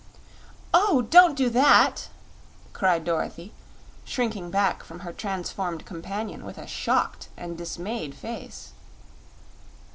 "Oh, don't do that!" cried Dorothy, shrinking back from her transformed companion with a shocked and dismayed face.